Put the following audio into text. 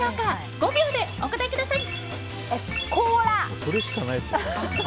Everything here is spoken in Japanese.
５秒でお答えください。